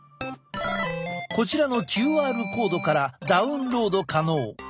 こちらのＱＲコードからダウンロード可能。